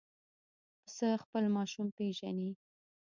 پسه خپل ماشوم پېژني.